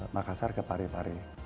makassar ke pare pare